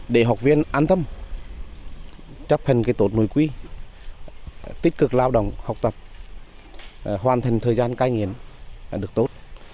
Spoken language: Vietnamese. để học viên an tâm chấp hành tốt nội quy tích cực lao động học tập hoàn thành thời gian cai nghiện được tốt